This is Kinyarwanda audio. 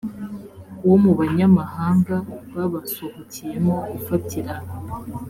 wo mu banyamahanga babasuhukiyemo ufatira